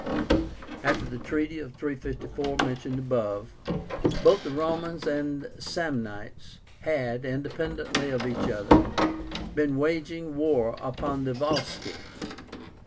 After the treaty of 354 mentioned above, both the Romans and Samnites had, independently of each other, been waging war upon the Volsci.